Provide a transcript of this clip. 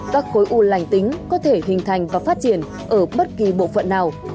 các khối u lành tính có thể hình thành và phát triển ở bất kỳ bộ phận nào